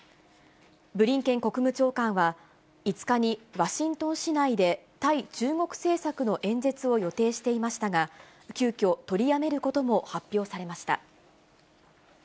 ブリンケン国務長官は、５日にワシントン市内で対中国政策の演説を予定していましたが、急きょ、取りやめることも発表されました。